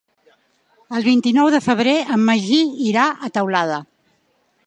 El vint-i-nou de febrer en Magí irà a Teulada.